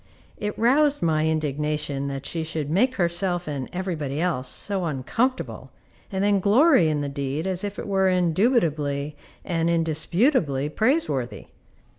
It roused my indignation that she should make herself and every body else so uncomfortable, and then glory in the deed as if it were indubitably and indisputably praiseworthy.